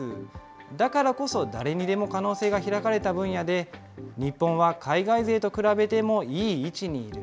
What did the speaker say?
だからこそ誰にでも可能性が開かれた分野で、日本は海外勢と比べてもいい位置にいる。